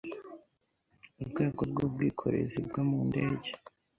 Urwego rw'ubwikorezi bwo mu ndege